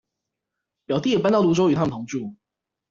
表弟也搬到蘆洲與他們同住